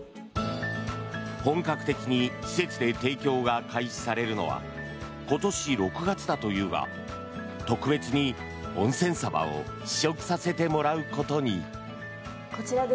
本格的に施設で提供が開始されるのは今年６月だというが特別に温泉サバを試食させてもらうことに。